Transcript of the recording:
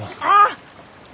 あっ！